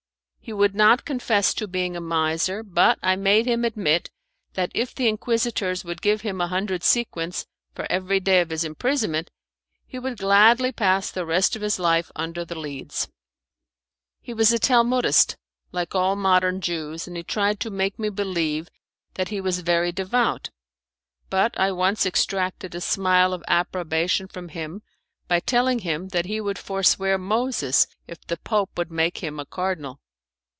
He would not confess to being a miser, but I made him admit that if the Inquisitors would give him a hundred sequins for every day of his imprisonment he would gladly pass the rest of his life under the Leads. He was a Talmudist, like all modern Jews, and he tried to make me believe that he was very devout; but I once extracted a smile of approbation from him by telling him that he would forswear Moses if the Pope would make him a cardinal.